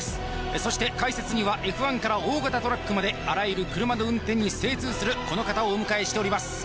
そして解説にはＦ１から大型トラックまであらゆる車の運転に精通するこの方をお迎えしております